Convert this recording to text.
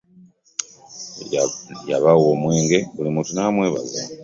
Yabawa omwenge buli muntu namwebaza.